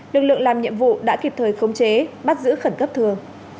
lực lượng làm nhiệm vụ đã kịp thời khống chế bắt giữ khẩn cấp thường